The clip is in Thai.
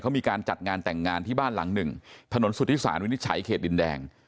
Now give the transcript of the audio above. เขามีการจัดงานแต่งงานที่บ้านหลังหนึ่งถนนสุธิสารวินิจฉัยเขตดินแดง